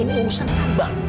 ini usah nambang